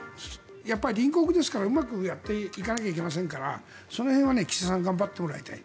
やっぱり隣国ですからうまくやっていかなきゃいけませんからその辺は岸田さん頑張ってもらいたい。